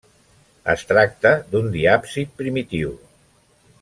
Es tracta d'un diàpsid primitiu.